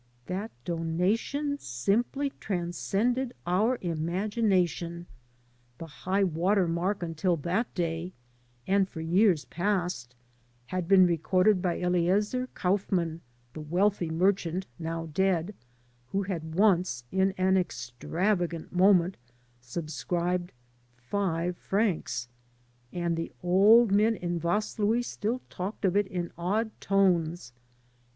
That donation simply transcended our imagination. The high water mark until that day and for years past had been recorded by Eliezer Kauf man, the wealthy merchant, now dead, who had once in an extravagant moment subscribed five francs; and the old men in Vaslui still talked of it in awed tones.